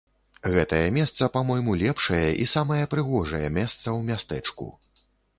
Гэтае месца, па-мойму, лепшае і самае прыгожае месца ў мястэчку.